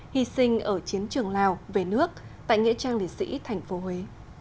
hy sinh ở chiến trường lào về nước tại nghệ trang liệt sĩ tp huế